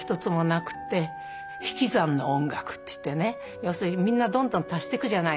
要するにみんなどんどん足していくじゃないですか。